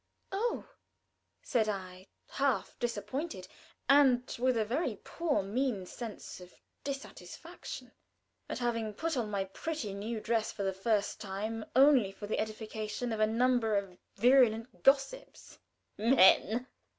_" "Oh!" said I, half disappointed, and with a very poor, mean sense of dissatisfaction at having put on my pretty new dress for the first time only for the edification of a number of virulent gossips. "Men!"